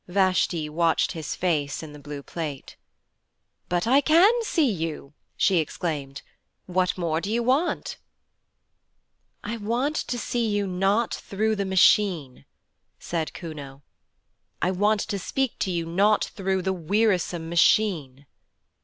Vashti watched his face in the blue plate. 'But I can see you!' she exclaimed. 'What more do you want?' 'I want to see you not through the Machine,' said Kuno. 'I want to speak to you not through the wearisome Machine.'